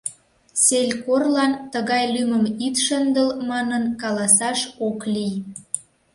Селькорлан «тыгай лӱмым ит шындыл» манын каласаш ок лий.